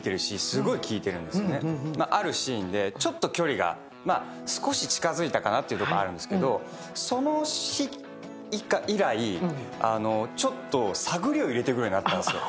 ちょっと距離が少し近づいたかなっていうのがあるんですけどその日以来ちょっと探りを入れてくるようになったんです。